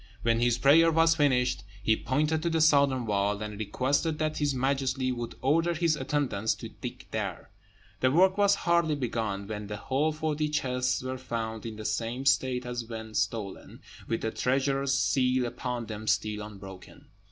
When his prayer was finished, he pointed to the southern wall, and requested that his majesty would order his attendants to dig there. The work was hardly begun, when the whole forty chests were found in the same state as when stolen, with the treasurer's seal upon them still unbroken.